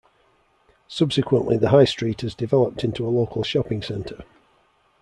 Subsequently the High Street has developed into a local shopping centre.